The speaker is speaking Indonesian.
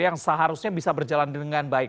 yang seharusnya bisa berjalan dengan baik